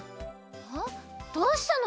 どうしたの？